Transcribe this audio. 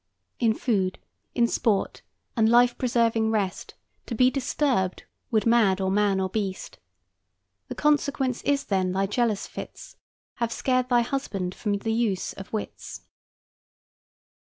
In food, in sport, and life preserving rest To be disturbed, would mad or man or beast. The consequence is, then, thy jealous fits Have scared thy husband from the use of wits."